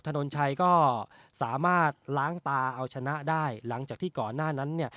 ถนนชัยก็สามารถล้างตาเอาชนะได้หลังจากที่ก่อนหน้านั้นเนี่ย